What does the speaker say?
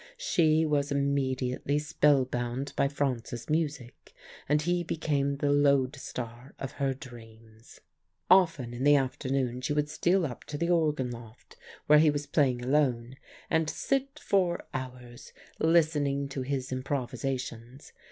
She was immediately spellbound by Franz's music, and he became the lodestar of her dreams. Often in the afternoon she would steal up to the organ loft, where he was playing alone, and sit for hours listening to his improvisations.